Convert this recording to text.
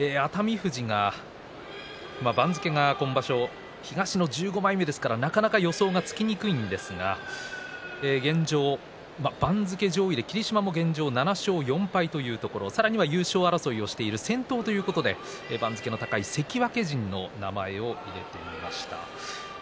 富士が番付、今場所は東の１５枚目ですからなかなか予想がつきにくいですが現状、番付上位霧島も７勝４敗というところさらには優勝争いをしている先頭ということで番付の高い関脇陣の名前を入れてみました。